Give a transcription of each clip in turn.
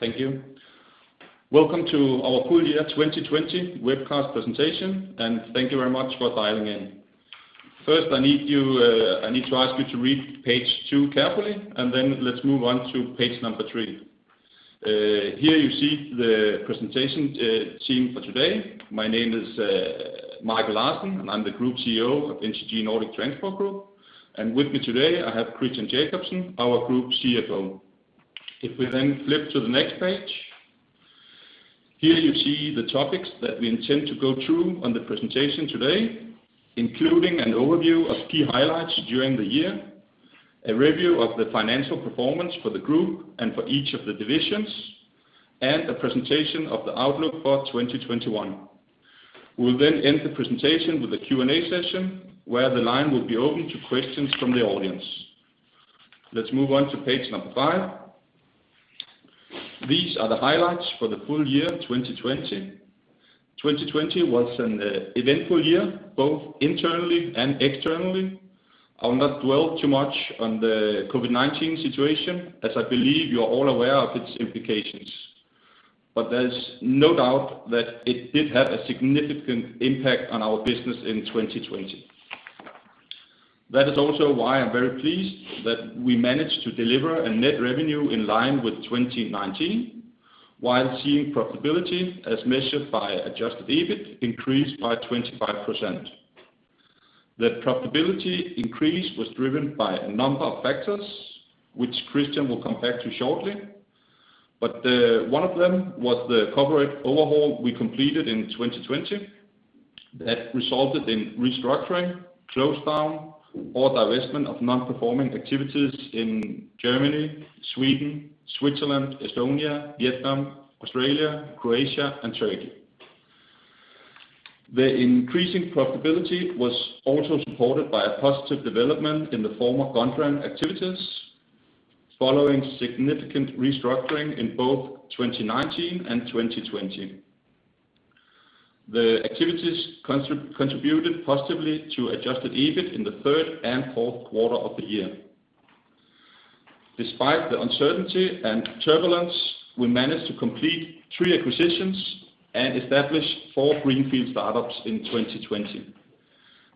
Thank you. Welcome to our Full-Year 2020 Webcast Presentation. Thank you very much for dialing in. First, I need to ask you to read page two carefully. Then let's move on to page number three. Here you see the presentation team for today. My name is Michael Larsen. I'm the Group CEO of NTG Nordic Transport Group. With me today, I have Christian Jakobsen, our Group CFO. If we flip to the next page. Here you see the topics that we intend to go through on the presentation today, including an overview of key highlights during the year, a review of the financial performance for the group and for each of the divisions. A presentation of the outlook for 2021. We'll then end the presentation with a Q&A session, where the line will be open to questions from the audience. Let's move on to page number five. These are the highlights for the full-year 2020. 2020 was an eventful year, both internally and externally. I will not dwell too much on the COVID-19 situation, as I believe you're all aware of its implications. There's no doubt that it did have a significant impact on our business in 2020. That is also why I'm very pleased that we managed to deliver a net revenue in line with 2019, while seeing profitability as measured by adjusted EBIT increase by 25%. The profitability increase was driven by a number of factors, which Christian will come back to shortly, but one of them was the corporate overhaul we completed in 2020 that resulted in restructuring, close down, or divestment of non-performing activities in Germany, Sweden, Switzerland, Estonia, Vietnam, Australia, Croatia, and Turkey. The increasing profitability was also supported by a positive development in the former Gondrand activities, following significant restructuring in both 2019 and 2020. The activities contributed positively to adjusted EBIT in the third and fourth quarter of the year. Despite the uncertainty and turbulence, we managed to complete three acquisitions and establish four greenfield startups in 2020,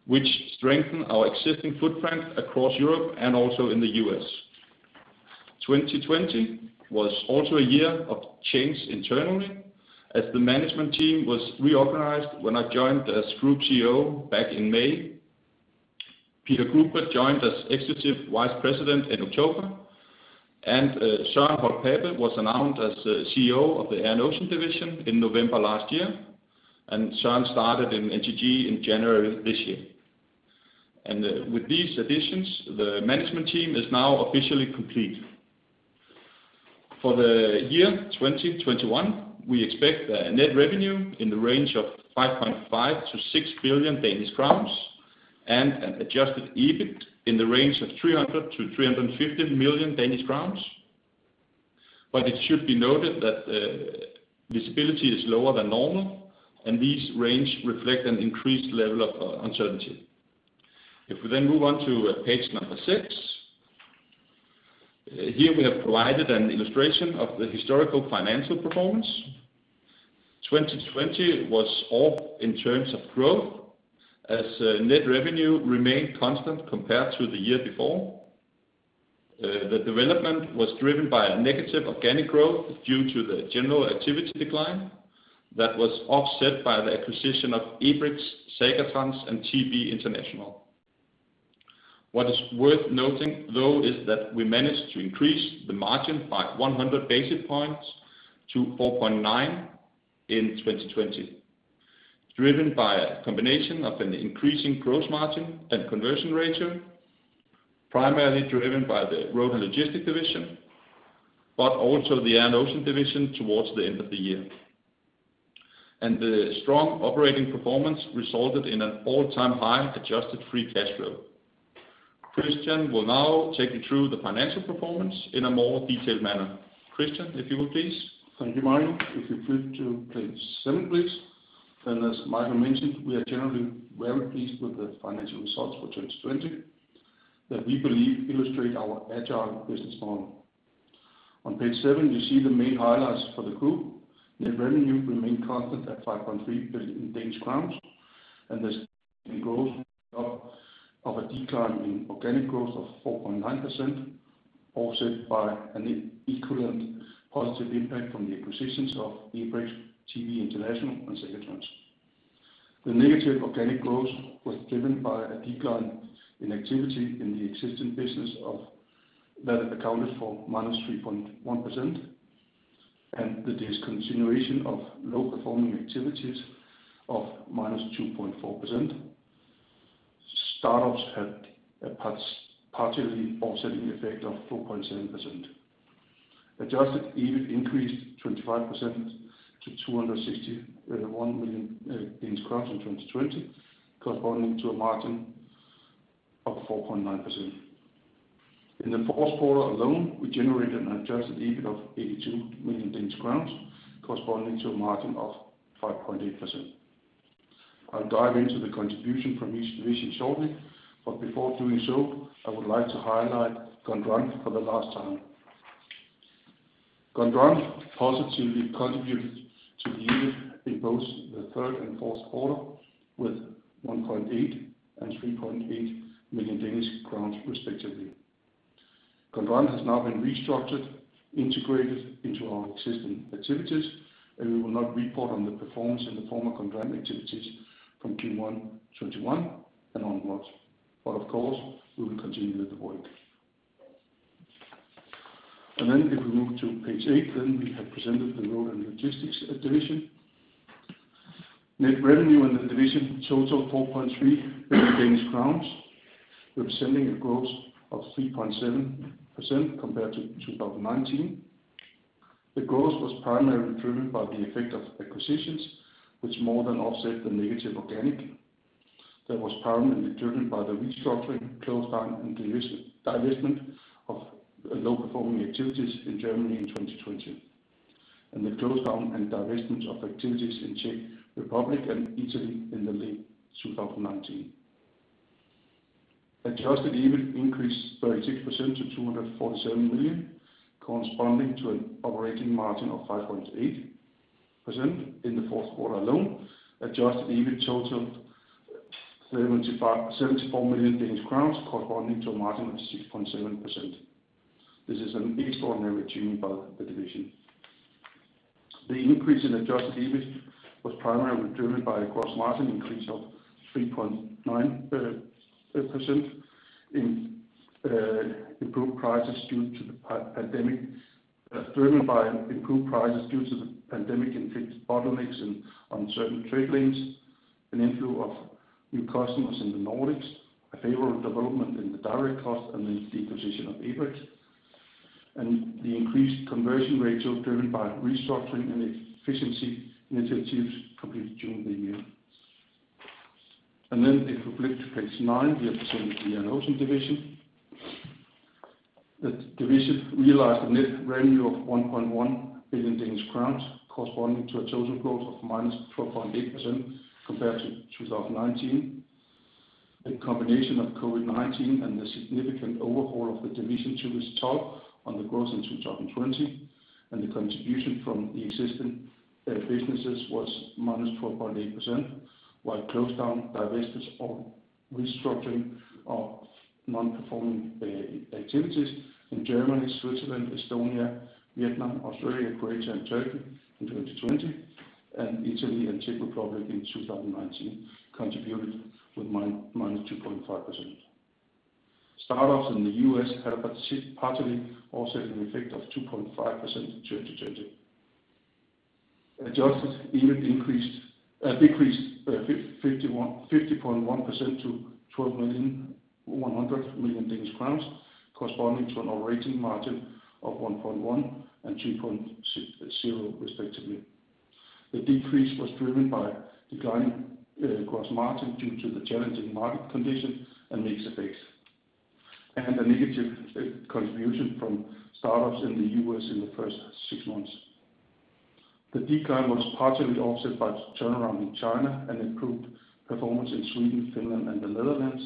which strengthen our existing footprint across Europe and also in the U.S. 2020 was also a year of change internally as the management team was reorganized when I joined as Group CEO back in May. Peter Grubert joined as Executive Vice President in October, and Søren Holck Pape was announced as the CEO of the Air & Ocean division in November last year, and Søren started in NTG in January this year. With these additions, the management team is now officially complete. For the year 2021, we expect a net revenue in the range of 5.5 billion-6 billion Danish crowns and an adjusted EBIT in the range of 300 million-350 million Danish crowns. It should be noted that visibility is lower than normal, and these range reflect an increased level of uncertainty. We then move on to page number six. Here we have provided an illustration of the historical financial performance. 2020 was off in terms of growth as net revenue remained constant compared to the year before. The development was driven by a negative organic growth due to the general activity decline that was offset by the acquisition of Ebrex, Saga Trans, and TB International. What is worth noting, though, is that we managed to increase the margin by 100 basis points to 4.9% in 2020, driven by a combination of an increasing gross margin and conversion ratio, primarily driven by the Road & Logistics division, but also the Air & Ocean division towards the end of the year. The strong operating performance resulted in an all-time high adjusted free cash flow. Christian will now take you through the financial performance in a more detailed manner. Christian, if you would please. Thank you, Michael. If you flip to page seven, please. As Michael mentioned, we are generally very pleased with the financial results for 2020 that we believe illustrate our agile business model. On page seven, you see the main highlights for the group. Net revenue remained constant at 5.3 billion Danish crowns, and this growth of a decline in organic growth of 4.9%, offset by an equivalent positive impact from the acquisitions of Ebrex, TB International, and Saga Trans. The negative organic growth was driven by a decline in activity in the existing business of that accounted for minus 3.1%, and the discontinuation of low-performing activities of minus 2.4%. Startups had a partially offsetting effect of 4.7%. adjusted EBIT increased 25% to 261 million in 2020, corresponding to a margin of 4.9%. In the fourth quarter alone, we generated an adjusted EBIT of 82 million Danish crowns, corresponding to a margin of 5.8%. I'll dive into the contribution from each division shortly. Before doing so, I would like to highlight Gondrand for the last time. Gondrand positively contributed to the year in both the third and fourth quarter, with 1.8 million and 3.8 million Danish crowns respectively. Gondrand has now been restructured, integrated into our existing activities, and we will not report on the performance in the former Gondrand activities from Q1 2021 and onwards. Of course, we will continue with the work. Then if we move to page eight, then we have presented the Road & Logistics division. Net revenue in the division total 4.3 billion Danish crowns, representing a growth of 3.7% compared to 2019. The growth was primarily driven by the effect of acquisitions, which more than offset the negative organic that was primarily driven by the restructuring, close down, and divestment of low-performing activities in Germany in 2020. The close down and divestment of activities in Czech Republic and Italy in late 2019. adjusted EBIT increased 36% to 247 million, corresponding to an operating margin of 5.8%. In the fourth quarter alone, adjusted EBIT total 74 million Danish crowns corresponding to a margin of 6.7%. This is an extraordinary achievement by the division. The increase in adjusted EBIT was primarily driven by a gross margin increase of 3.9% in improved prices due to the pandemic, driven by improved prices due to the pandemic-induced bottlenecks on certain trade lanes, an inflow of new customers in the Nordics, a favorable development in the direct costs and the acquisition of Ebrex. The increased conversion ratio driven by restructuring and efficiency initiatives completed during the year. If we flip to page nine, we have presented the Air & Ocean division. The division realized a net revenue of 1.1 billion Danish crowns corresponding to a total growth of -12.8% compared to 2019. A combination of COVID-19 and the significant overhaul of the division took its toll on the growth in 2020, and the contribution from the existing businesses was -12.8%, while close down, divestment or restructuring of non-performing activities in Germany, Switzerland, Estonia, Vietnam, Australia, Croatia, and Turkey in 2020, and Italy and Czech Republic in 2019 contributed with -2.5%. Startups in the U.S. had partly also an effect of 2.5% in 2020. Adjusted EBIT decreased 50.1% to 12 million, 100 million corresponding to an operating margin of 1.1% and 2.0% respectively. The decrease was driven by declining gross margin due to the challenging market condition and mix effects, and a negative contribution from startups in the U.S. in the first six months. The decline was partially offset by turnaround in China and improved performance in Sweden, Finland, and the Netherlands.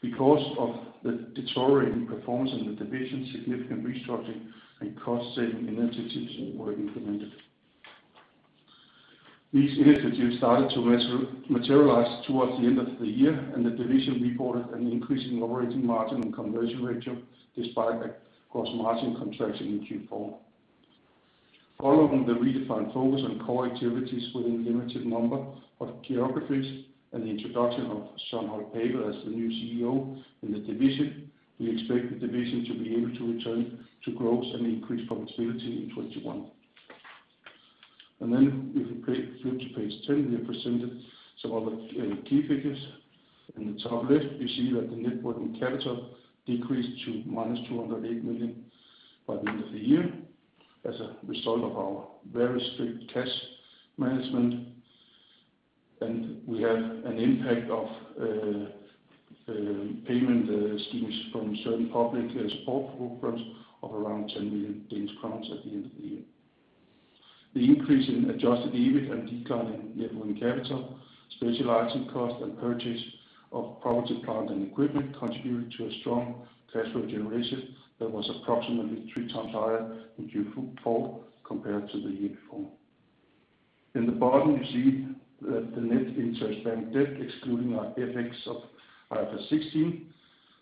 Because of the deteriorating performance in the division, significant restructuring and cost-saving initiatives were implemented. These initiatives started to materialize towards the end of the year, and the division reported an increase in operating margin and conversion ratio despite a gross margin contraction in Q4. Following the redefined focus on core activities within limited number of geographies and the introduction Søren Holck Pape as the new CEO in the division, we expect the division to be able to return to growth and increased profitability in 2021. If we flip to page 10, we have presented some of the key figures. In the top left, we see that the net working capital decreased to -208 million by the end of the year as a result of our very strict cash management. We have an impact of payment schemes from certain public support programs of around 10 million Danish crowns at the end of the year. The increase in adjusted EBIT and decline in net working capital, specializing costs, and purchase of property, plant, and equipment contributed to a strong cash flow generation that was approximately three times higher in Q4 compared to the year before. In the bottom, you see that the net interest-bearing debt excluding our effects of IFRS 16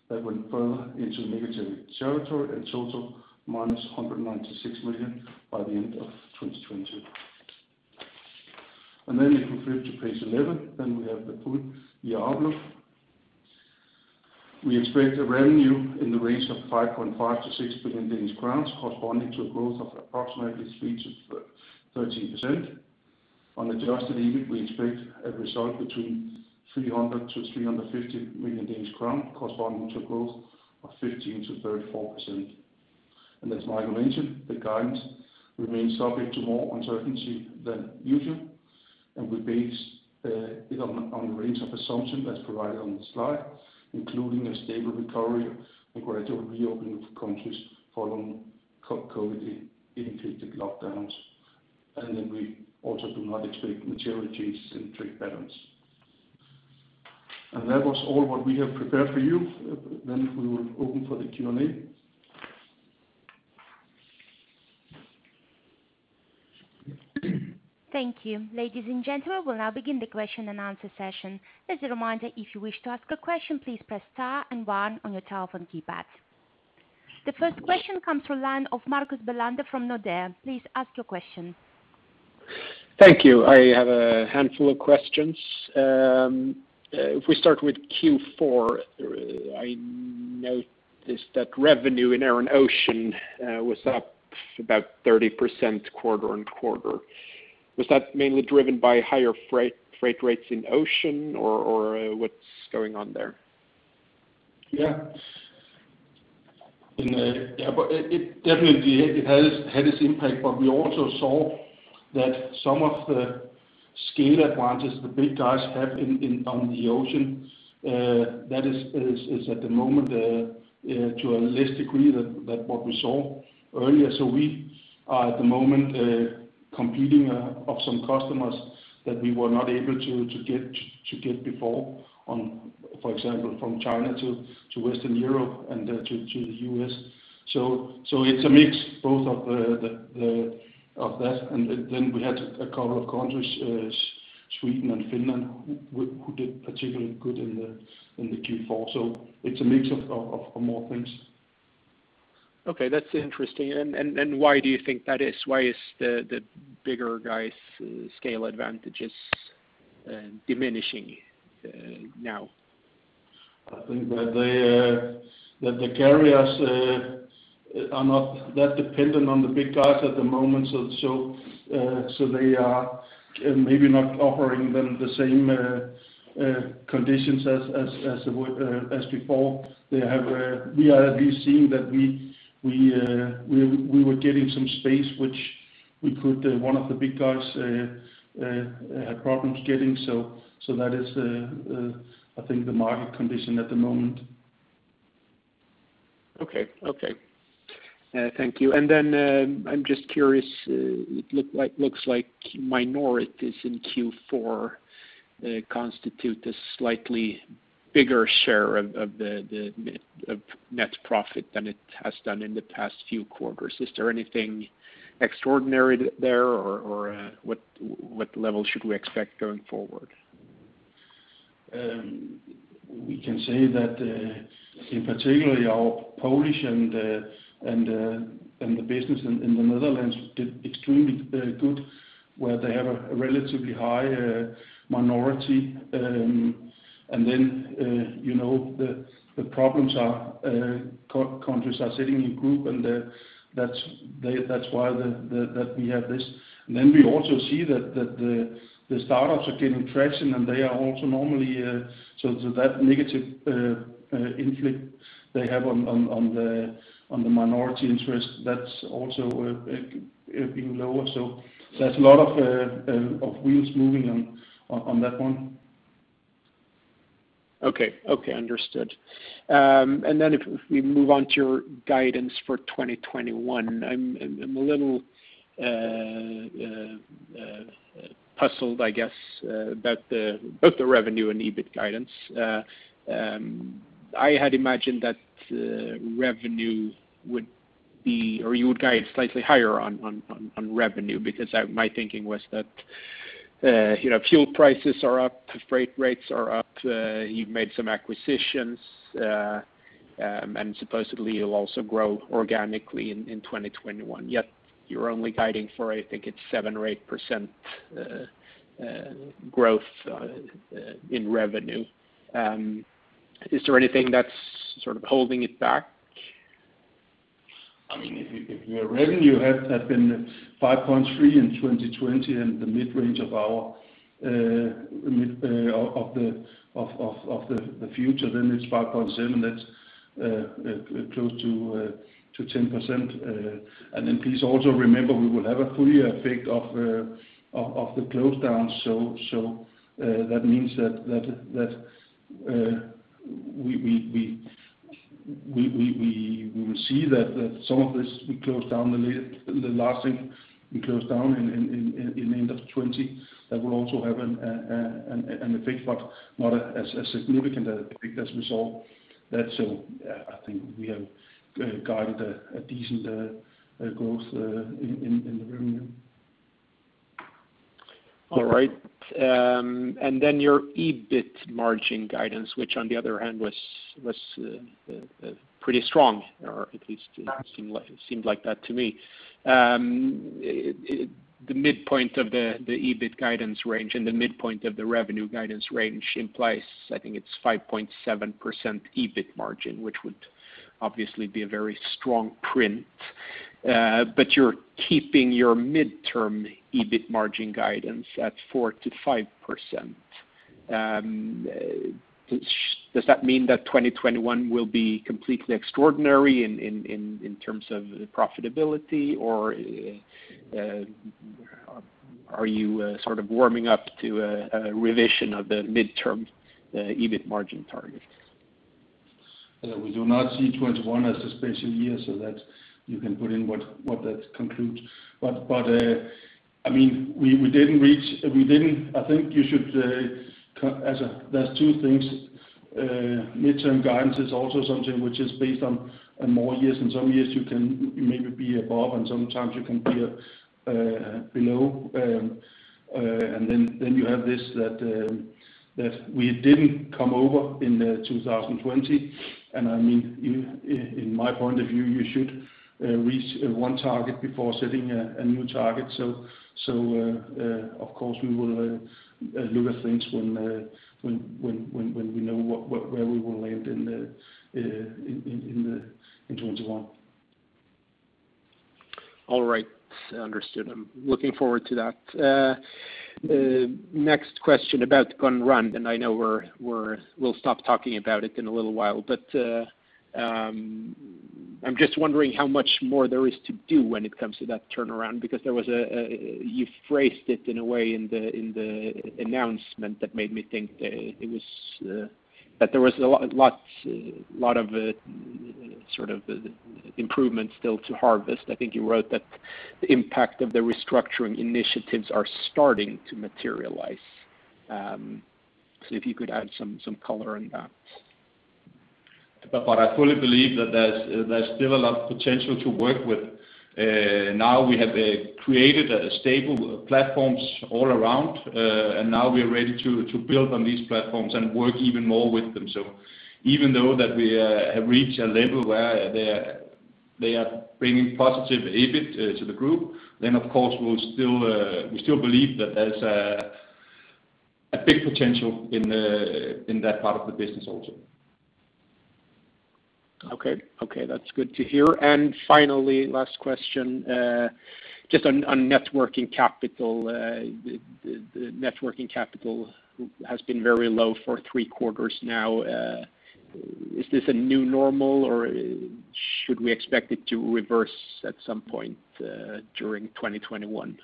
that went further into negative territory and total -196 million by the end of 2020. If we flip to page 11, we have the full-year outlook. We expect a revenue in the range of 5.5 billion-6 billion Danish crowns corresponding to a growth of approximately 3%-13%. On adjusted EBIT, we expect a result between 300 million-350 million Danish crown corresponding to a growth of 15%-34%. As Michael mentioned, the guidance remains subject to more uncertainty than usual, and we base on a range of assumptions as provided on the slide, including a stable recovery and gradual reopening of countries following COVID-related lockdowns. We also do not expect material changes in trade patterns. That was all what we have prepared for you. We will open for the Q&A. Thank you. Ladies and gentlemen, we'll now begin the question-and-answer session. As a reminder, if you wish to ask a question, please press star and one on your telephone keypad. The first question comes from line of Marcus Bellander from Nordea. Please ask your question. Thank you. I have a handful of questions. If we start with Q4, I noticed that revenue in Air & Ocean, was up about 30% quarter-on-quarter. Was that mainly driven by higher freight rates in ocean or what's going on there? Yeah. It definitely has had its impact, but we also saw that some of the scale advantage the big guys have on the ocean, that is at the moment to a less degree than what we saw earlier. We are at the moment competing of some customers that we were not able to get before, for example, from China to Western Europe and to the U.S. It's a mix both of that. We had a couple of countries, Sweden and Finland, who did particularly good in the Q4. It's a mix of more things. Okay. That's interesting. Why do you think that is? Why is the bigger guys' scale advantages diminishing now? I think that the carriers are not that dependent on the big guys at the moment. They are maybe not offering them the same conditions as before. We are at least seeing that we were getting some space, which one of the big guys had problems getting. That is, I think, the market condition at the moment. Okay. Thank you. I'm just curious, it looks like minority is in Q4, constitute a slightly bigger share of net profit than it has done in the past few quarters. Is there anything extraordinary there or what level should we expect going forward? We can say that, in particular our Polish and the business in the Netherlands did extremely good where they have a relatively high minority. The problems are countries are sitting in group and that's why that we have this. We also see that the startups are gaining traction and they are also normally. That negative impact they have on the minority interest, that's also being lower. There's a lot of wheels moving on that one. Okay. Understood. If we move on to your guidance for 2021, I'm a little puzzled, I guess, about the revenue and EBIT guidance. I had imagined that revenue would be, or you would guide slightly higher on revenue because my thinking was that fuel prices are up, freight rates are up, you've made some acquisitions, and supposedly you'll also grow organically in 2021, yet you're only guiding for, I think it's 7% or 8% growth in revenue. Is there anything that's sort of holding it back? If your revenue had been 5.3 in 2020 and the mid-range of the future, then it's 5.7. That's close to 10%. Please also remember we will have a full-year effect of the close down. That means that we will see that some of this, the last thing we closed down in end of 2020, that will also have an effect, but not as significant an effect as we saw that. I think we have guided a decent growth in the revenue. All right. Your EBIT margin guidance which on the other hand was pretty strong, or at least it seemed like that to me. The midpoint of the EBIT guidance range and the midpoint of the revenue guidance range implies, I think it's 5.7% EBIT margin, which would obviously be a very strong print. You're keeping your midterm EBIT margin guidance at 4%-5%. Does that mean that 2021 will be completely extraordinary in terms of profitability, or are you warming up to a revision of the midterm EBIT margin target? We do not see 2021 as a special year. You can put in what that concludes. There are two things. Midterm guidance is also something which is based on more years. In some years you can maybe be above, and sometimes you can be below. You have this, that we didn't come over in 2020. In my point of view, you should reach one target before setting a new target. Of course, we will look at things when we know where we will land in 2021. All right. Understood. I'm looking forward to that. Next question about Gondrand. I know we'll stop talking about it in a little while, but I'm just wondering how much more there is to do when it comes to that turnaround, because you phrased it in a way in the announcement that made me think that there was a lot of improvements still to harvest. I think you wrote that the impact of the restructuring initiatives are starting to materialize. If you could add some color on that. I fully believe that there's still a lot of potential to work with. Now we have created stable platforms all around, and now we are ready to build on these platforms and work even more with them. Even though that we have reached a level where they are bringing positive EBIT to the group, then of course we still believe that there's a big potential in that part of the business also. Okay. That's good to hear. Finally, last question, just on net working capital. The net working capital has been very low for three quarters now. Is this a new normal, or should we expect it to reverse at some point, during 2021?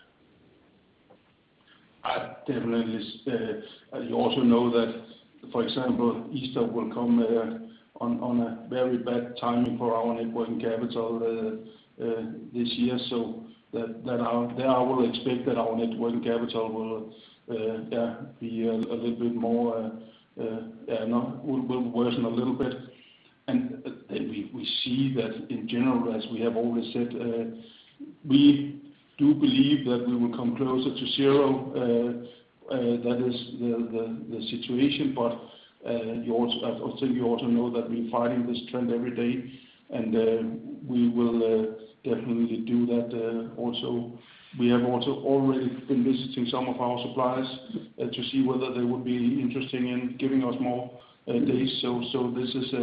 Definitely. You also know that, for example, Easter will come on a very bad timing for our net working capital this year, then I will expect that our net working capital will worsen a little bit. We see that in general, as we have always said, we do believe that we will come closer to zero. That is the situation. I think you also know that we're fighting this trend every day, and we will definitely do that. We have also already been visiting some of our suppliers to see whether they would be interested in giving us more days. This is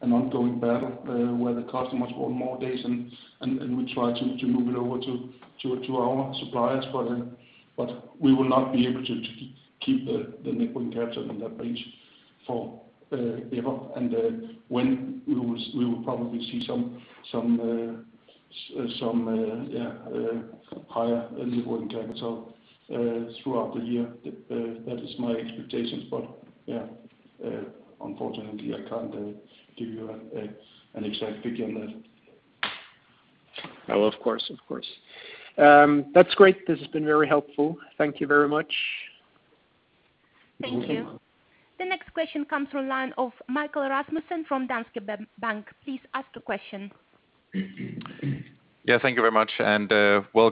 an ongoing battle where the customers want more days, and we try to move it over to our suppliers. We will not be able to keep the net working capital on that page forever. We will probably see some higher net working capital throughout the year. That is my expectation. Yeah, unfortunately, I can't give you an exact figure on that. No, of course. That's great. This has been very helpful. Thank you very much. Thank you. The next question comes from line of Michael Rasmussen from Danske Bank. Please ask the question. Yeah, thank you very much, and well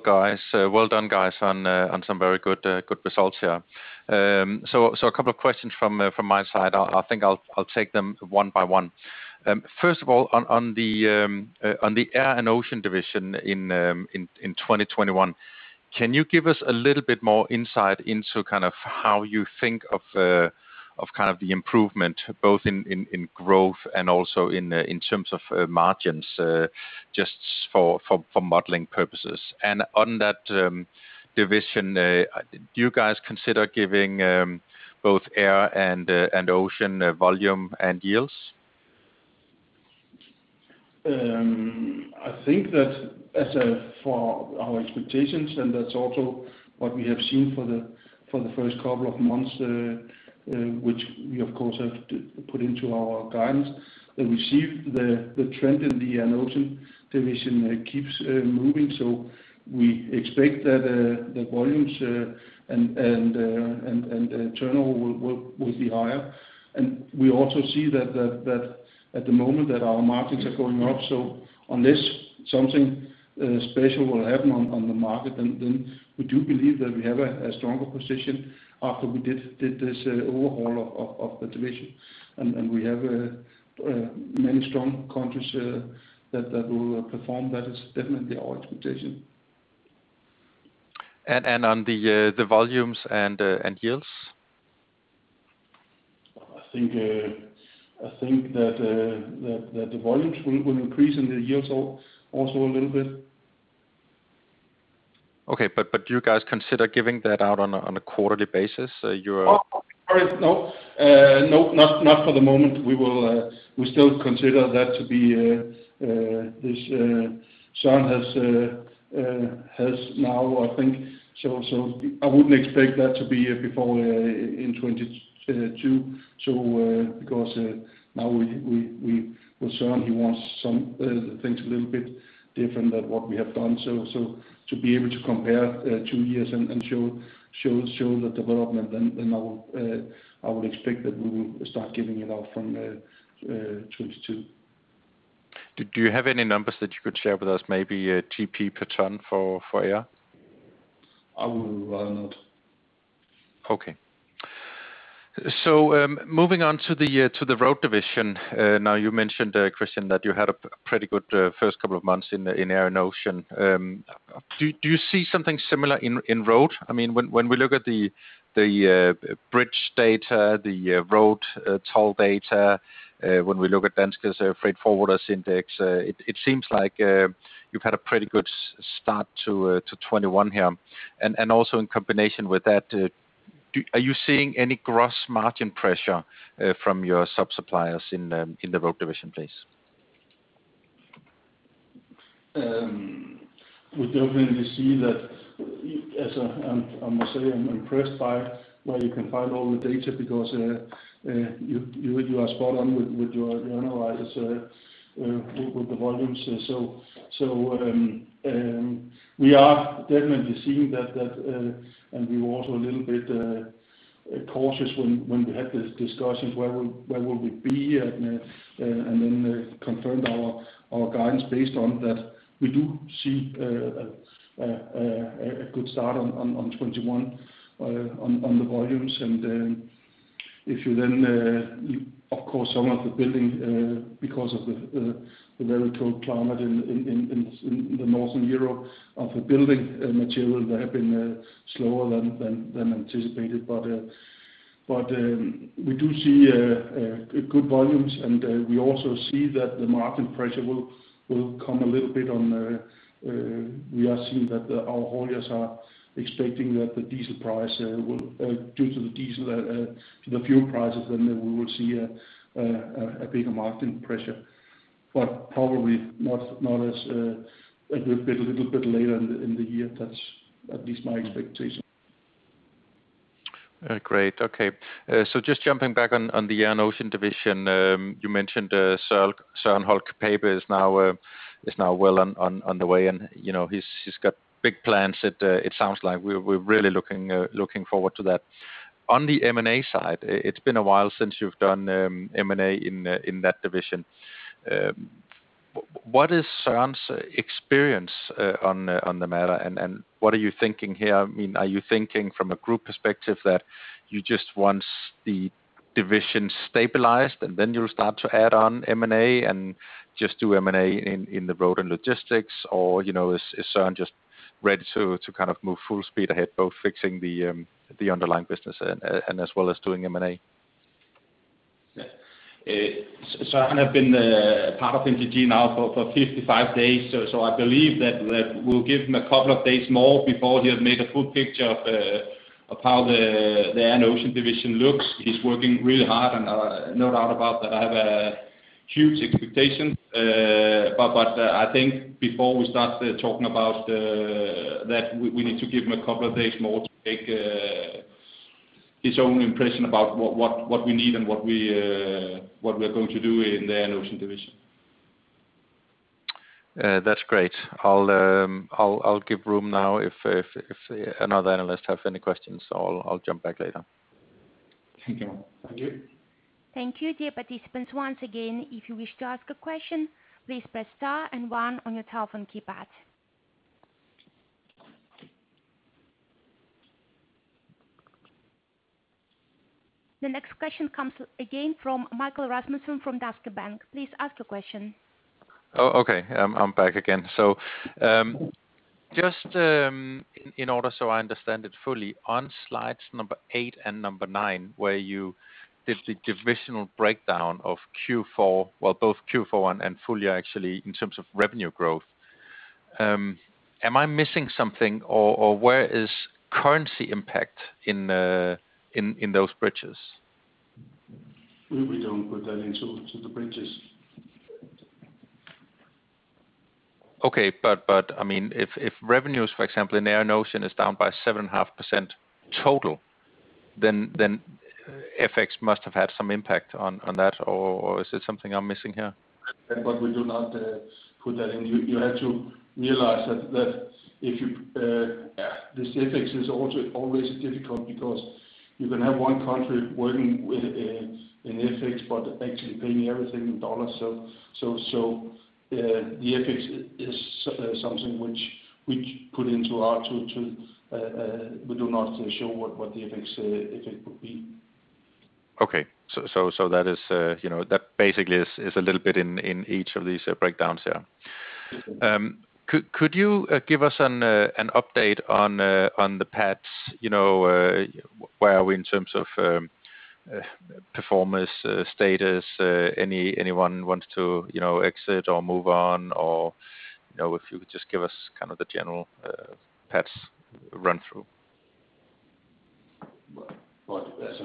done, guys, on some very good results here. A couple of questions from my side. I think I'll take them one by one. First of all, on the Air & Ocean division in 2021, can you give us a little bit more insight into how you think of the improvement both in growth and also in terms of margins, just for modeling purposes? On that division, do you guys consider giving both air and ocean volume and yields? I think that for our expectations, that's also what we have seen for the first couple of months, which we of course have to put into our guidance. We see the trend in the Air & Ocean division keeps moving. We expect that the volumes and turnover will be higher. We also see that at the moment that our margins are going up. On this, something special will happen on the market, then we do believe that we have a stronger position after we did this overhaul of the division. We have many strong countries that will perform. That is definitely our expectation. On the volumes and yields? I think that the volumes will increase and the yields also a little bit. Okay, do you guys consider giving that out on a quarterly basis? No, not for the moment. We still consider that to be this. I wouldn't expect that to be before in 2022. Now Søren, he wants some things a little bit different than what we have done. To be able to compare two years and show the development, then I would expect that we will start giving it out from 2022. Do you have any numbers that you could share with us? Maybe GP per ton for Air? I would rather not. Okay. Moving on to the Road division. Now, you mentioned, Christian, that you had a pretty good first couple of months in Air & Ocean. Do you see something similar in Road? When we look at the bridge data, the road toll data, when we look at Danske's freight forwarders index, it seems like you've had a pretty good start to 2021 here. Also in combination with that, are you seeing any gross margin pressure from your sub-suppliers in the Road division, please? We definitely see that. I must say, I am impressed by where you can find all the data, because you are spot on with your analysis with the volumes. We are definitely seeing that, and we were also a little bit cautious when we had these discussions, where will we be? Confirmed our guidance based on that. We do see a good start on 2021 on the volumes. If you then, of course, some of the building, because of the very cold climate in the Northern Europe, of the building material, they have been slower than anticipated. We do see good volumes, and we also see that the market pressure will come a little bit. We are seeing that our hauliers are expecting that the diesel price will, due to the fuel prices, then we will see a bigger market pressure. Probably not a little bit later in the year. That's at least my expectation. Great. Okay. Just jumping back on the Air & Ocean division. You mentioned Søren Holck Pape is now well on the way, and he's got big plans, it sounds like. We're really looking forward to that. On the M&A side, it's been a while since you've done M&A in that division. What is Søren's experience on the matter, and what are you thinking here? Are you thinking from a group perspective that you just want the division stabilized, and then you'll start to add on M&A and just do M&A in the Road & Logistics? Is Søren just ready to kind of move full speed ahead, both fixing the underlying business as well as doing M&A? Søren has been a part of NTG now for 55 days. I believe that we'll give him a couple of days more before he has made a full picture of how the Air & Ocean division looks. He's working really hard, no doubt about that. I have a huge expectation. I think before we start talking about that, we need to give him a couple of days more to make his own impression about what we need and what we're going to do in the Air & Ocean division. That's great. I'll give room now if another analyst have any questions, or I'll jump back later. Thank you. Thank you. Dear participants, once again, if you wish to ask a question. The next question comes again from Michael Rasmussen from Danske Bank. Please ask your question. Oh, okay. I'm back again. Just in order so I understand it fully, on slides eight and nine, where you did the divisional breakdown of Q4, well, both Q4 and full-year actually, in terms of revenue growth. Am I missing something or where is currency impact in those bridges? We don't put that into the bridges. If revenues, for example, in Air & Ocean is down by 7.5% total, then FX must have had some impact on that, or is it something I'm missing here? We do not put that in. You have to realize that this FX is always difficult because you can have one country working in FX, but actually paying everything in dollars. The FX is something which we put into our tool. We do not show what the FX effect would be. Okay. That basically is a little bit in each of these breakdowns, yeah. Could you give us an update on the pads? Where are we in terms of performance status? Anyone wants to exit or move on? Or if you could just give us kind of the general pads run through. Right.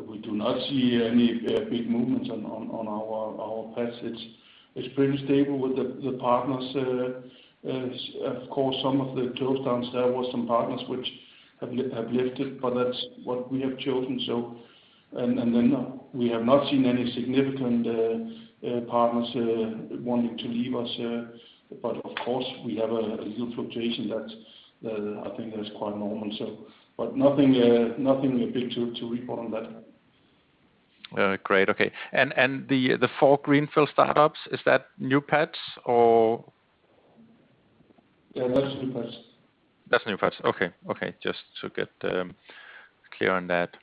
We do not see any big movements on our pads. It's pretty stable with the partners. Of course, some of the close downs, there were some partners which have left it, but that's what we have chosen. We have not seen any significant partners wanting to leave us. Of course, we have a huge rotation that I think that is quite normal. Nothing big to report on that. Great. Okay. The four greenfield startups, is that new pads or? Yeah, that's new pads. That's new pads. Okay. Just to get clear on that.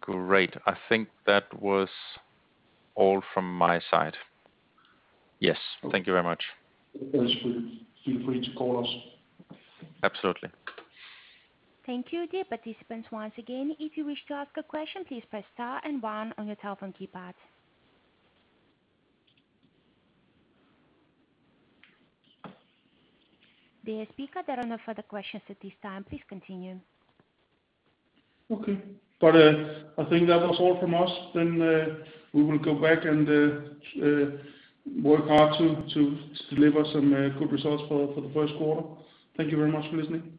Great. I think that was all from my side. Yes. Thank you very much. Yes. Feel free to call us. Absolutely. Thank you. Dear participants, once again, if you wish to ask a question, please press star and one on your telephone keypad. Dear speaker, there are no further questions at this time. Please continue. Okay. I think that was all from us. We will go back and work hard to deliver some good results for the first quarter. Thank you very much for listening.